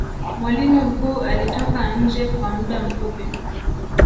mwalimu mkuu alitoka nje kw muda mfupi